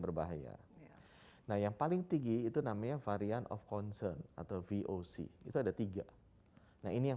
berbahaya nah yang paling tinggi itu namanya varian of concern atau voc itu ada tiga nah ini yang